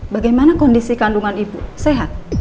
bagaimana kondisi kandungan ibu sehat